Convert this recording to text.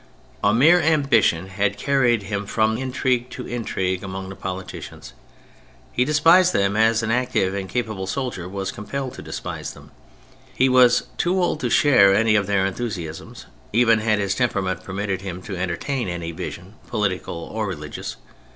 A mere ambition had carried him from intrigue to intrigue among the politicians. He despised them as an active and capable soldier was compelled to despise them ; he was too old to share any of their enthusiasms, even had his temperament permitted him to entertain any vision, political or religious.